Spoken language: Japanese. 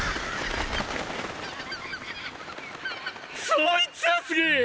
そいつはすげぇ！